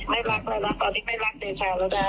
ไม่รักแล้วนะตอนนี้ไม่รักเดชาแล้วนะ